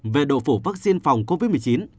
về độ phủ vắc xin phòng covid một mươi chín